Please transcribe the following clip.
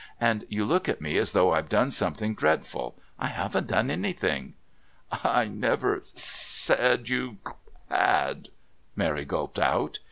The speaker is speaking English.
And you look at me as though I'd done something dreadful. I haven't done anything." "I never said you had," Mary gulped out.